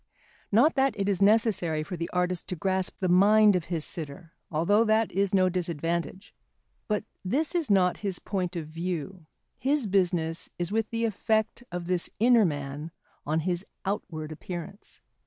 Not that it is necessary for the artist to grasp the mind of his sitter, although that is no disadvantage. But this is not his point of view, his business is with the effect of this inner man on his outward appearance.